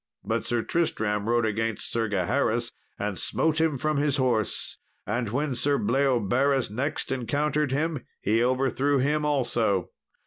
But Sir Tristram rode against Sir Gaheris and smote him from his horse, and when Sir Bleoberis next encountered him, he overthrew him also.